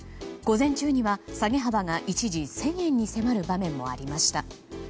午前中には下げ幅が一時１０００円に迫る場面もありました。